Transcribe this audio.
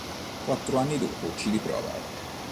Quattro anni dopo ci riprova.